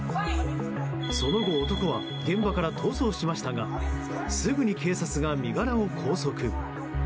その後、男は現場から逃走しましたがすぐに警察が身柄を拘束。